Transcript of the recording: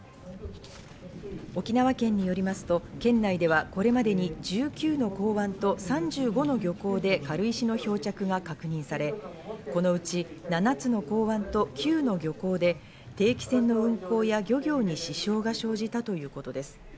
沖縄県によりますと、県内ではこれまでに１９の港湾と３５の漁港で軽石の漂着が確認され、このうち７つの港湾と９の漁港で定期船の運航や漁業に支障が生じたということです。